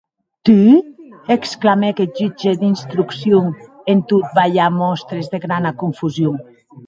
Tu?, exclamèc eth jutge d’instrucción, en tot balhar mòstres de grana confusion.